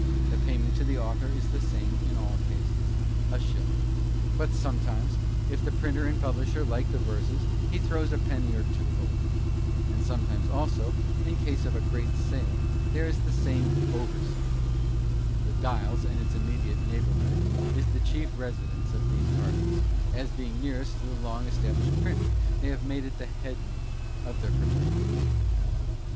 The payment to the author is the same in all cases a shilling; but sometimes if the printer and publisher like the verses he "throws a penny or two over." And sometimes also, in case of a great sale there is the same "over sum." The "Dials" and its immediate neighbourhood is the chief residence of these parties, as being nearest to the long established printer they have made it the 'head meet' of the fraternity.